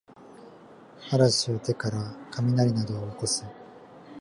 嵐や手からかみなりなどをおこす